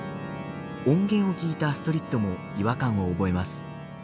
音源を聞いたアストリッドも違和感を覚えます。